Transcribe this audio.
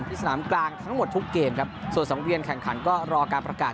ที่สนามกลางทั้งหมดทุกเกมครับส่วนสังเวียนแข่งขันก็รอการประกาศ